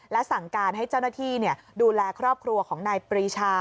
และสั่งการให้เจ้าหน้าที่ดูแลครอบครัวของนายปรีชา